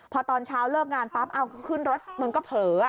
พอตอนเช้าเลิกงานปั๊บเอาก็ขึ้นรถมันก็เผลอ